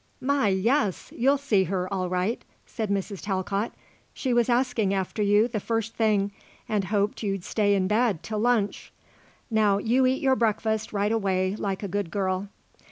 "My, yes! You'll see her all right," said Mrs. Talcott. "She was asking after you the first thing and hoped you'd stay in bed till lunch. Now you eat your breakfast right away like a good girl."